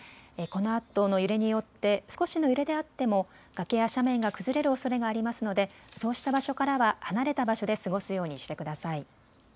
このあとの揺れによって少しの揺れであっても崖や斜面が崩れるおそれがありますのでそうした場所からは離れた場所で過ごすようにしてください。